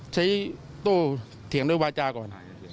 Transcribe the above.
โต้เถียงด้วยวาจาก่อน